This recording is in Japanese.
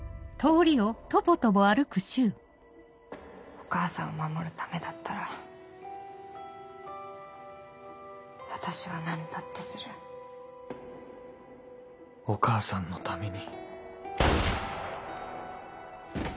お母さんを守るためだったら私は何だってするお母さんのために